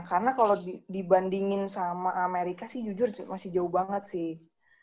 karena kalo dibandingin sama amerika sih jujur masih jauh banget sih